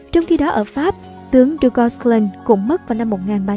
trong khi đó ở pháp tướng dugasclin cũng mất vào năm một nghìn ba trăm tám mươi